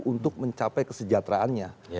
untuk mencapai kesejahteraannya